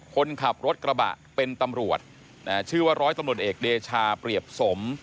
คนขับรถกระบะเป็นตำรวจชื่อว่าร้อยตำรวจเอกเดชาเปรียบสม